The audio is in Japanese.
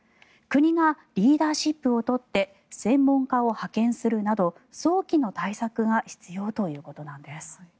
国がリーダーシップを取って専門家を派遣するなど早期の対策が必要ということなんです。